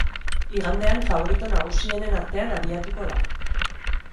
Igandean favorito nagusienen artean abiatuko da.